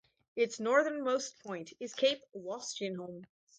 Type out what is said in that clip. Its northernmost point is Cape Wolstenholme.